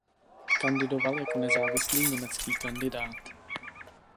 Kandidoval jako nezávislý německý kandidát.